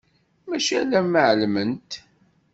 Mačči alamma ɛelment.